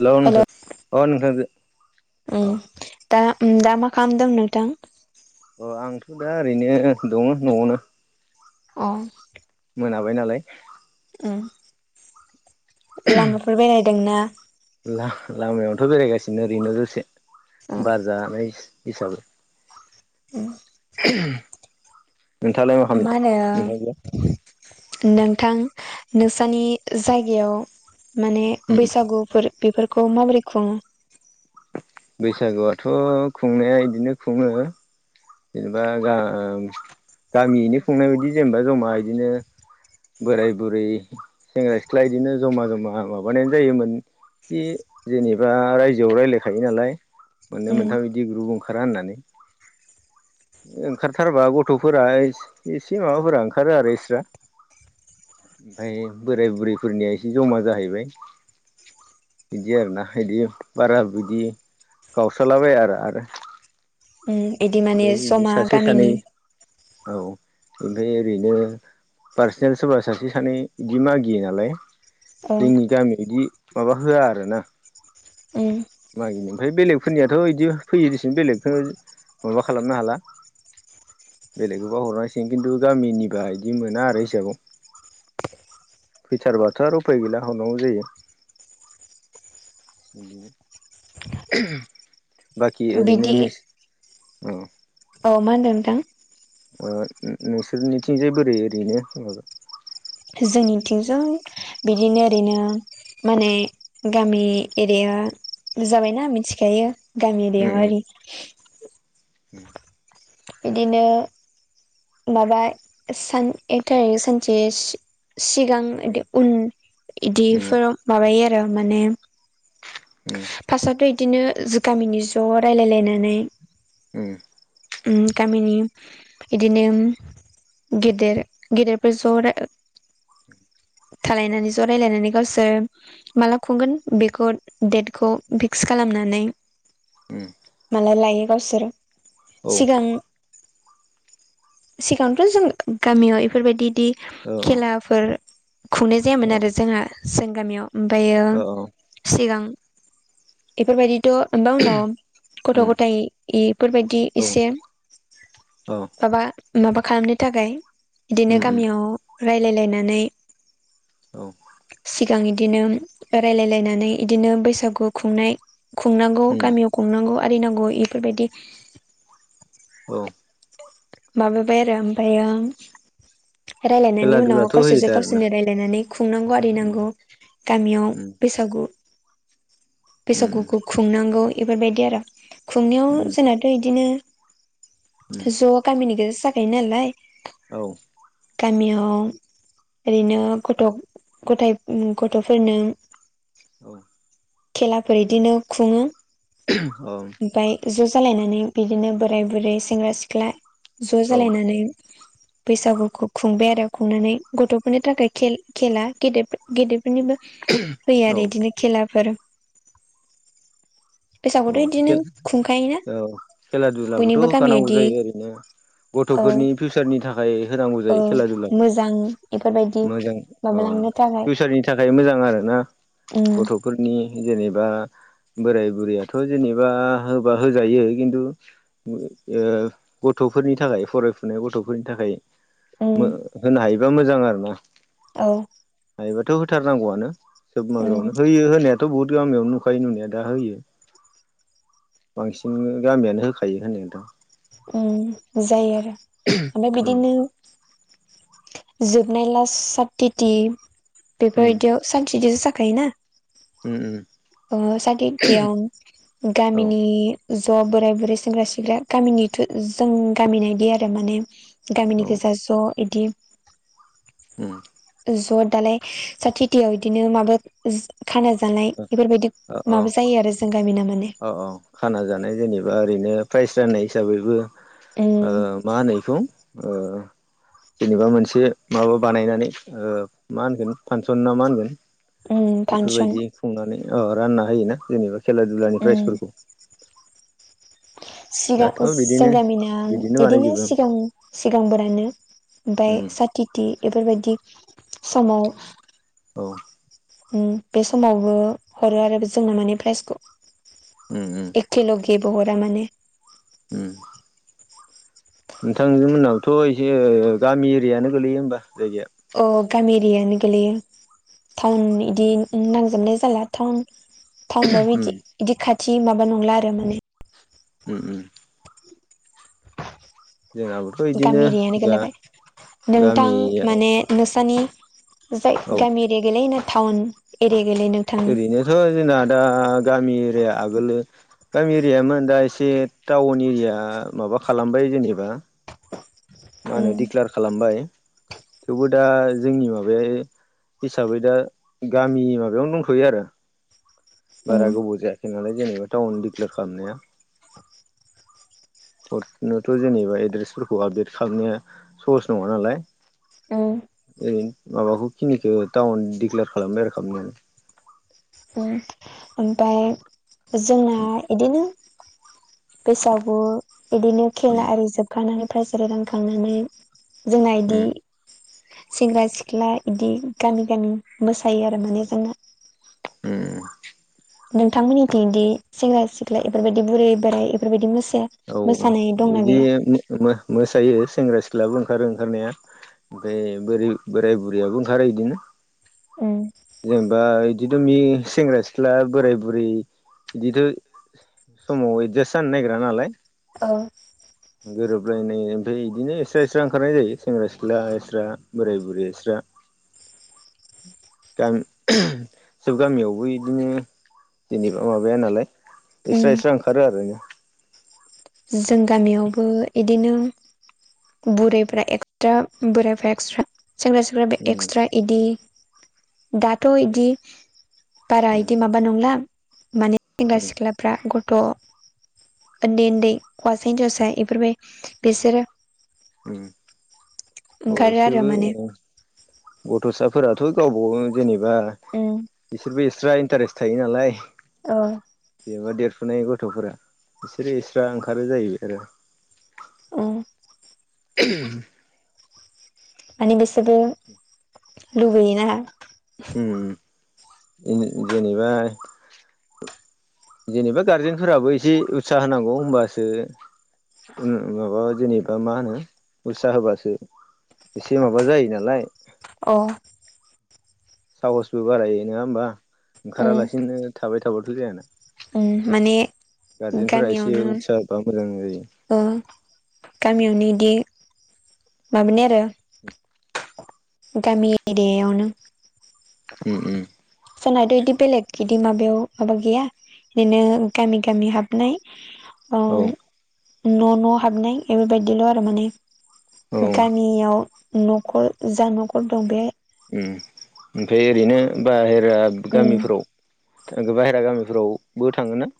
Hello hello नोंथां औ नोंथां जो उम दा मा खामदों नोंथां अ आंथ' दा ओरैनो दङ न'आवनो अ मोनाबाय नालाय लामाफोर बेरायदोंना लामायावथ' बेरायगासिनो ओरैनो जसे अ बार जानाय हिसाबै म नोंथाङालाय मा होनो खालामदों नोंथांजोआ नोंथां नोंसनि जायगायाव माने उम बैसागुफोर बेफोरखौ माबोरै खुङो बैसागुआथ' खुंनाया बिदिनो खुङो जेनेबा गामियैनो खुंनाय बायदि जेनेबा जमा बिदिनो बोराय बुरै सेंग्रा सिख्ला बिदिनो जमा जमा माबानायानो जायोमोन बे जेनेबा रायजोआव रायज्लायखायो नालाय मोननै उम मोनथाम बिदि ग्रुप ओंखारा होननानै ओंखारथारबा गथ'फोरा एसे माबाफोरा ओंखारो आरो इसोरा ओमफ्राय बोराय बुरैफोरनिया एसे जमा जाहैबाय बिदि आरोना बिदि बारा बिदि गावस्रालाबाया आरो बिदि माने ओमफ्राय बिदि जमा सासे सानै गामिनि औ ओमफ्राय ओरैनो पार्सनेल सोरबा सासे सानै बिदि मागियो नालाय औ जोंनि गामियाव बिदि माबा होआ आरो ना उम मागिनो ओमफ्राय बेलेगफोरनियाथ' बिदि फैयोदिसिन बेलेगखौ माबा खालामनो हाला बेलेगनोबा हरनांसिगोन खिन्थु गामिनिबा बिदि मोना आरो हिसाबाव फैथारबाथ' आरो उफाय गैला हरनांगौ जायो बाखि ओरैनो बिदि नों अ औ मा होनदों नोंथां नोंसोरनिथिंजाय बोरै ओरैनो माबे जोंनिथिंजों बिदिनो ओरैनो माने गामि एरिया जाबायना मिथिखायो गामि उम एरियारि उम बिदिनो माबा सान एक थारिख सानसे सिगां उम बिदि उन इदिफोराव माबायो आरो माने उम फार्स्टआवथ' बिदिनो गामिनि ज' रायलायलायनानै उम उ गामिनि इदिनो गेदेर गिदिरफोर ज' रां [inaudible] थालायनानै रायलायनानै गावसोर माला खुंगोन बेखौ डेटखौ फिक्स खालामनानै उ माला लायो गावसोरो औ सिगां सिगांथ' जों गामियाव इफोरबायदि इदि औ खेलाफोर खुंनाय जायामोन औ आरो जोंहा जों गामियाव ओमफ्रायो औ औ सिगां बेफोरबायदिथ' बा उनाव गथ' उम गथाइ इफोरबायदि औ एसे औ माबा माबा खालामनो थाखाय बिदिनो उम उम गामियाव रायलायलायनानै औ सिगां बिदिनो रायलायलायनानै इदिनो बैसागु खुंनाय खुंनांगौ उम गामियाव खुंनांगौ आरिनांगौ इफोरबायदि औ माबाबाय आरो ओमफ्रायो खेला रायलायनायनि उनाव दुलाथ' होयो गावसोरजों दा आरोना गावसोरनो रायलायनानै खुंनांगौ उम आरिनांगौ गामियाव उम बेसा बैसागु उम बैसागुखौ खुंनांगौ बेफोरबायदि आरो खुंनायाव उम जोंनाथ' बिदिनो उम ज' गामिनि गेजेरजों जाखायो नालाय औ गामियाव ओरैनो गथ' गथाय गथ'फोरनो औ खेलाफोर इदिनो खुङो औ ओमफ्राय ज' जालायनानै बिदिनो बोराय बुरै सेंग्रा सिख्ला ज' औ जालायनानै बैसागुखौ खुंबाय आरो खुंनानै गथ'फोरनि थाखाय खेला गेद गेदेरफोरनिबो होयो औ आरो बिदिनो खेलाफोर बैसागोखौथ' औ बिदिनो खेल खुंखायोना औ बयनिबो गामिया बिदि बिदिनो गथ'फोरनि फिउचारनि थाखाय होनांगौ ओ जायो खेला दुलाखौ मोजां इफोरबायदि मोजां औ माबालांनो थाखाय फिउसारनि थाखाय मोजां आरोना उम गथ' फोरनि जेनेबा बोराय बुरैयाथ' जेनेबा होबा होजायो खिन्थु गथ'फोरनि थाखाय फरायफुनाय गथ'फोरनि थाखाय उम होनो हायोबा मोजां आरो ना औ। हायोबाथ' होथारनांगौआनो सोब उम माबायावनो होयो होनायाथ' थ' बहु गामियाव नुखायो नुनाया दा होयो। बांसिन गामियानो होखायो होननाय थां। जायो आरो [inaudible] ओमफ्राय बिदिनो जोबनाय लाससातथिथि उम बेफोरबायदियाव सान्त बिदिसो जाखायोना। उम। साखेथियाव औ गामिनि ज' बोराइ बुरै सेंग्रा सिख्ला गामिनिथ' जों गामिनायदि आरो माने औ गामिनि गोेजा ज' इदि न। ज' दालाय सा थथियाव बिदिनो माबा खाना जानाय अ बेफोरबायदि माबा जायो आरो जों गामिना माने औ औ खाना जानाय जेनेबा ओरैनो प्राइस राननाय हिसाबैबो उम। ओ मा होनो बेखौ ओ। जेनेबा मोनसे माबा बानायनानै मा होनगोन फांसन ना मा होनगोन। उम फांसन बेफोरबायदि खुंनानै रानना होयोना जेनेबा खेला दुलानि प्राइजफोरखौ [inaudible] सिगां दाथ' जों बिदिनो गामिना बिदिनो सिगां सिगांफोरानो ओमफ्राय उम साथिथि बेफोरबायदि समाव औ। बे समावबो हरो आरो जोंना माने प्राइजखौ उम उम। एखेलगेबोहरा माने उम। नोंथांनि उनावथ' एसे गामि एरियानो गोलैयो होमबा जायगाया औ गामि एरियानो गोलैयो टाउन इदि नांजोबनाय जाला टाउन। थावउनबाबो उम बिदि बिदि खाथि माबा नंला आरो माने उम उम। जोंनाबोथ' इदिनो गामि एरियानो गा गोलैबाय नोंथां गामिया माने नोंसानि जाय औ गामि एरिया गैलायनो टाउन एरिया गैलैनो ओरैनोथ' जोंना दा गामि एरिया आगोलो गामि एरियामोन दा एसे टाउन एरिया माबा खालामबाय जेनेबा [inaudible] मा होनो उम दिडक्लार खालामबाय थेवबो दा जोंनि माबाया हिसाबै दा गामि माबायावनो दंथ'यो आरो बारा उम गोबाव जायाखै नालाय जेनेबा टाउन दििक्लेयार खालामनाया हरनोथ' जेनेबा एड्रेसफोरखौ आपडेट खालामनाया सर्स नङा नालाय उम ओरै माबाखौ खिनिखौ टाउन दिडिक्लयार खालामबाय आरोखाबनिनो ओमफ्राय जोंना इदिनो गोसआवबो बिदिनो औ खेला बिदि आरि जोब खुखानानै फाइसालि रानखांनानै जोंना मोसायो बिदि सेंग्रा सिख्ला इदि गामि गामि मोसायो आरो माने जोंना अ। नोंथांमोननिथिंदि सेंग्रा सिख्ला बेफोरबायदि बुरै बोराय बेफोरबायदि मोसे औ बिदि मोसायो सेंग्रा सिख्लाबो ओंखारो ओंखारनाया ओमफ्राय बोर बोराय बुरैयाबो ओंखारो बिदिनो उम जेनेबा बिदिनो एदमि सेंग्रा सिख्ला बोराय बुरि बिदिथ' समाव एडजास्ट जानो नागिरा नालाय औ गोरोबलायनाय ओमफ्राय बिदिनो एस्रा एस्रा ओंखारनाय जायो सेंग्रा सिख्ला एस्रा बोराय बुरै एस्रा आसा आसा गामि सब गामियावबो बिदिनो जेनैबा माबाया नालाय उम एस्रा एस्रा ओंखारो आरो। जों गामियावबो इदिनो बुरैफोरा एक्सट्रा बोरायफ्रा एक्सट्रा सेंग्रा सिख्ला बे उम एक्सट्रा इदि दाथ' इदि बारा उम इदि माबा नंला माने सेंग्रा सिख्ला फ्रा गथ' उन्दै उन्दै हौवासा हिनजावसा इफोरबाय बिसोरो [unintelligible] अ ओंखारो आरो माने इसोरबो गथ'साफोराथ' गावबागाव जेनेबा उम बिसोरबो एक्सट्रा इन्टारेस्ट थायो नालाय औ जेनबा देरफुनाय गथ'फोरा बिसोरो एक्स्रा ओंखारो जाहैबाय आरो। उम [unintelligible] मानि बिसोरबो लुबैयोना। उम ओ जेनेबा जेनेबा गारजेनफोराबो एसे उत्साह होनांगौ होनबासो माबा जेनेबा मा होनो उसा होबासो एसे माबा जायो नालाय अ साहसबो बारायो नङा होमबा उम ओंखारालासिनो थाबाय थाबाथ' जायाना। उम माने गारजेनफोरा एसे उत्सा होबा मोजां जायो। अ गामियावनो इदि मामोन आरो उम गामि एरियावनो। उम उम जोनाथ' बिदि बेलेग इदि माबायाव माबा गैया बिदिनो गामि गामि हाबनाय अ औ न' न' हाबनाय बेफोरबायदिल' आरो माने औ गा उम नियाव न'खर जा न'खर दं बे उम ओमफ्राय ओरैनो बाहेरा उम गामिफोराव ओ बाहेरा गामिफ्रावबो थाङोना।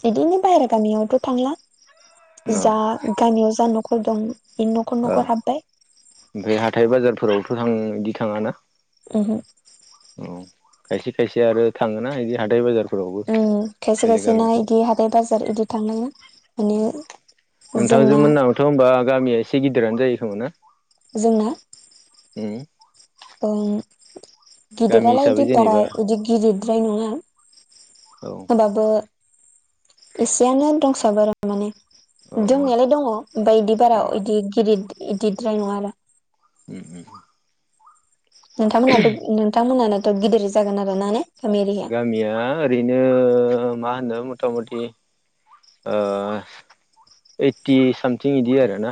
बिदिनो बाहेरा गामियावथ' थांला औ जा गामियाव जा न'खर दं बे न'खर औ न'खर हाबबाय ओमफ्राय हाथाय बाजारफोरावथ' थां बिदि थाङाना ओहो औ खायसे खायसे आरो थाङोना इदि हाथाय बाजारखौ उम खायसे खायसे ना इदि हाथाय बाजार इदि थांङोना माने जोंना दथ' होनोमबा गामिया एसे गिदिरानो जायो खोमा ना? जोंना उम उम गामि गिदिरालाय इदि हिसाबै बारा जेनेबा इदि गिदिरद्राय नङा। औ होमबाबो एसेयनोानो दंसाबो आरो माने औ दोंनायालाय दङ ओमफ्राय बिदि बारा उम बिदि गिदिर बिदिद्राय नङा आरो अ औ नोंथांमोनाथ' नोंथांमोनानाथ' गिदिर जागोन आरो ना ने गामि एरिया गामिया ओरैनो मा होनो मथा मथि ओइटि सामथिं बिदि आरो ना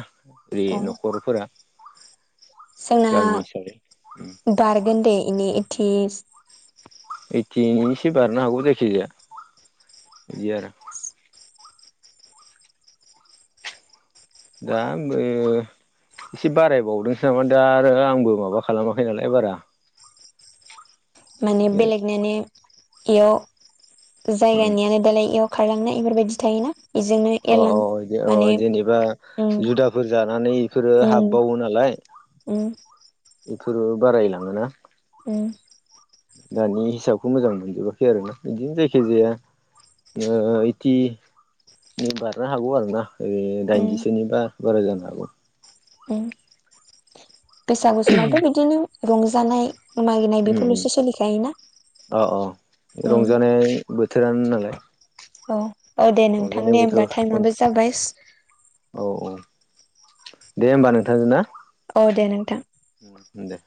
बेै अ न'खरफोरा जोंना गामि हिसाबै उम बारगोनदे इनि इथि ओइटिनसो बारनो हागौ जायखिजाया बिदि आरो दा ओ एसे बारायबावदोंसो नामा दा आरो आंबो माबा खालामाखै नालाय बारा माने बेलेगनिानो इयाव उम जायगानियानो दालाय इयाव खारलांनाय बेफोरबायदि थायोना बेजोंनो अ अ अ अ जेनेबा उम जुदाफोर जानानै इफोरो उम हाबबावो नालाय उम बेफोर बारायलाङोना उम ओ दानि हिसाबखौ मोजां मोनजोबाखै आरो ना बिदिनो जायखि जाया इथि बारनो हागौ आरो ना ओरै उम दाइनजिसोनि बा बारा जानो हागौ गोसागुसुमाथ' बिदिनो रंजानाय मागिनाय बेफोरल'सो सोलिखायोना अ अ उम रंजानाय बोथोरानो नालाय औ औ दे नोंथां रंजानाय दे बोथोर होमबा टाइमाबबो जाबाय औ औ दे होमबा नोंथां जों ना औ दे नोंथां दे